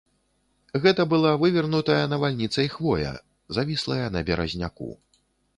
Гэта была вывернутая навальніцай хвоя, завіслая на беразняку.